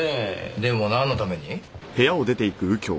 でもなんのために？